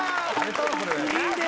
いいね。